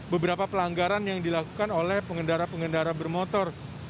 beberapa pelanggaran yang dilakukan oleh pengendara pengendara bermotor